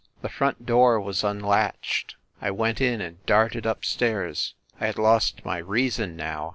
The front door was unlatched. I went in and darted up stairs. ... I had lost my reason, now.